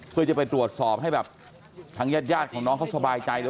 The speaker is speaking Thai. เพื่อจะไปตรวจสอบให้แบบทางญาติของน้องเขาสบายใจเลย